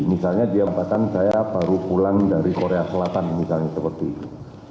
misalnya diampatan saya baru pulang dari korea selatan misalnya seperti itu